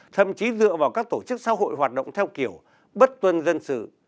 thậm chí dựa vào các tổ chức xã hội hoạt động theo kiểu bất tuân dân sự